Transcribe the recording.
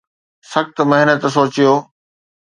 سخت محنت سوچيو